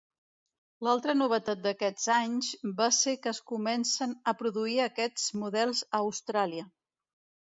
L'altra novetat d'aquests anys va ser que es comencen a produir aquests models a Austràlia.